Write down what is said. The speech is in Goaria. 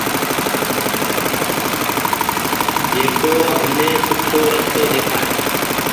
جڪو همني سوُٺو رستو ۮيکآوي ۔